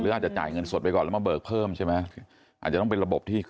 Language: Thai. อาจจะจ่ายเงินสดไปก่อนแล้วมาเบิกเพิ่มใช่ไหมอาจจะต้องเป็นระบบที่